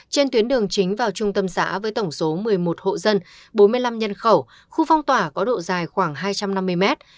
trên tuyến đường chính vào trung tâm xã với tổng số một mươi một hộ dân bốn mươi năm nhân khẩu khu phong tỏa có độ dài khoảng hai trăm năm mươi mét